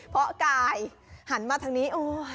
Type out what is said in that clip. เพราะกายหันมาทางนี้